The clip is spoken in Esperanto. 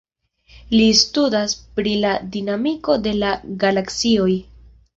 Li studas pri la dinamiko de la galaksioj.